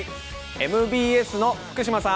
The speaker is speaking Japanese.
ＭＢＳの福島さん！